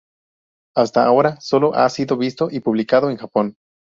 Hasta ahora solo ha sido visto y publicado en Japón.